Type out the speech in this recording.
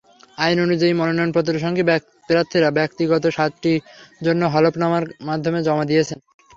আইন অনুযায়ী, মনোনয়নপত্রের সঙ্গে প্রার্থীরা ব্যক্তিগত সাতটি তথ্য হলফনামার মাধ্যমে জমা দিয়েছেন।